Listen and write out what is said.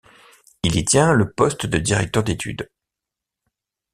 Il y tient le poste de directeur d'études.